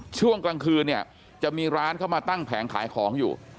ช่วงกลางคืนเนี่ยจะมีร้านเข้ามาตั้งแผงขายของอยู่